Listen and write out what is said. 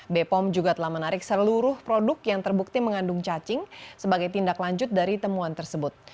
bepom juga telah menarik seluruh produk yang terbukti mengandung cacing sebagai tindak lanjut dari temuan tersebut